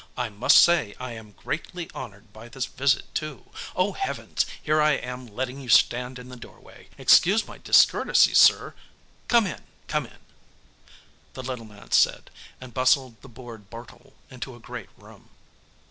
I must say, I am greatly honored by this visit, too. Oh heavens, here I am letting you stand in the doorway. Excuse my discourtesy, sir come in, come in," the little man said, and bustled the bored Bartle into a great room.